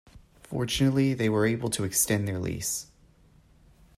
Fortunately, they were able to extend their lease.